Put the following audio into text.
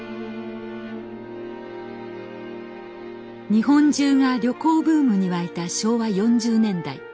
日本中が旅行ブームに沸いた昭和４０年代。